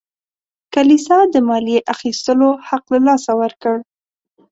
کلیسا د مالیې اخیستلو حق له لاسه ورکړ.